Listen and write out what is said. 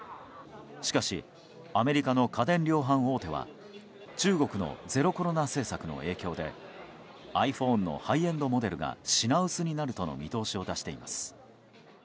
しかしアメリカの家電量販大手は中国のゼロコロナ政策の影響でｉＰｈｏｎｅのハイエンドモデルが品薄になるとの見通しを出しています。